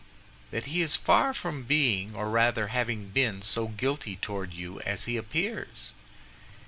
"That he is far from being, or rather having been, so guilty toward you as he appears."